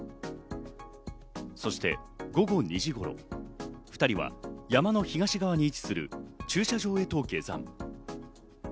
そして午後２時頃、２人は山の東側に位置する駐車場へと下山。